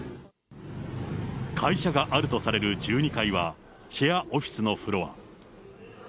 会社があるとされる１２階は、シェアオフィスのフロア。